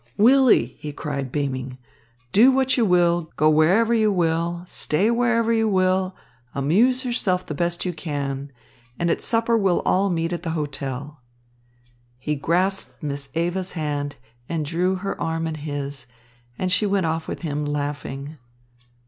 "Willy," he cried beaming, "do what you will, go wherever you will, stay wherever you will, amuse yourself as best you can, and at supper we'll all meet at the hotel." He grasped Miss Eva's hand and drew her arm in his, and she went off with him, laughing.